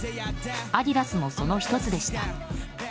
アディダスもその１つでした。